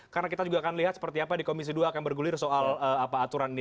karena kita juga akan lihat seperti apa di komisi dua akan bergulir soal apa aturan ini